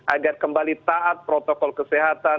agar kembali taat protokol kesehatan